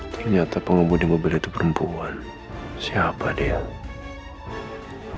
ternyata pengemudi mobil itu perempuan siapa dia